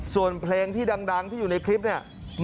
ส่วนเพลงที่ดังที่อยู่ในคลิปเนี่ย